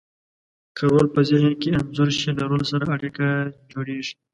که رول په ذهن کې انځور شي، له رول سره اړیکه جوړیږي.